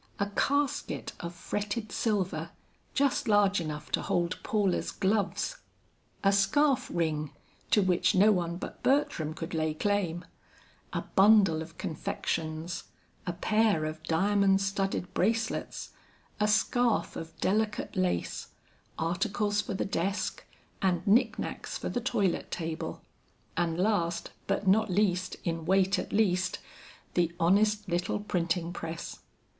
A casket of fretted silver, just large enough to hold Paula's gloves; a scarf ring, to which no one but Bertram could lay claim; a bundle of confections, a pair of diamond studded bracelets, a scarf of delicate lace, articles for the desk, and knick knacks for the toilet table, and last, but not least, in weight at least, the honest little printing press.